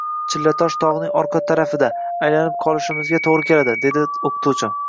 Chillatosh tog`ning orqa tarafida, aylanib qolishimizga to`g`ri keladi, dedi o`qituvchi